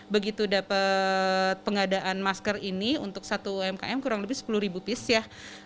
begitu dapat pengadaan masker ini untuk satu umkm kurang lebih sepuluh piece ya